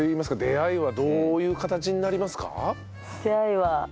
出会いは。